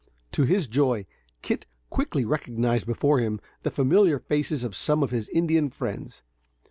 To his joy, Kit quickly recognized before him, the familiar faces of some of his Indian friends.